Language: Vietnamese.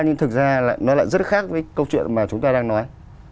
nhưng thực ra nó lại rất khác với câu chuyện mà chúng ta đang nói